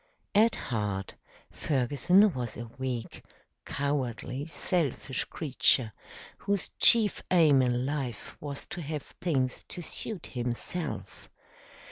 At heart Ferguson was a weak, cowardly, selfish creature, whose chief aim in life was to have things to suit himself.